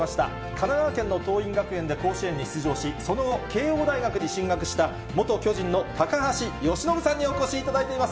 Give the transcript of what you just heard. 神奈川県の桐蔭学園で甲子園に出場し、その後、慶応大学に進学した、元巨人の高橋由伸さんにお越しいただいています。